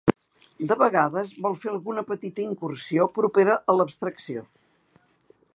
De vegades vol fer alguna petita incursió propera a l'abstracció.